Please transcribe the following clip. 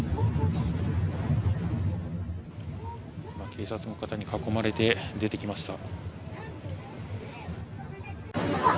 警察の方に囲まれて出てきました。